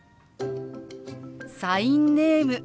サインネーム